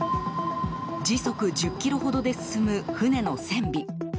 時速１０キロほどで進む船の船尾